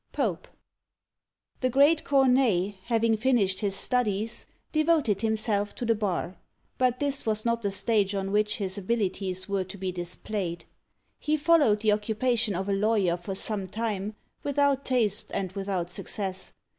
POPE. The great Corneille having finished his studies, devoted himself to the bar; but this was not the stage on which his abilities were to be displayed. He followed the occupation of a lawyer for some time, without taste and without success.